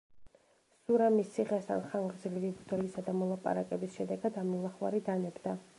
სურამის ციხესთან ხანგრძლივი ბრძოლისა და მოლაპარაკების შედეგად ამილახვარი დანებდა.